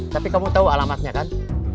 tapi kamu tahu alamatnya kan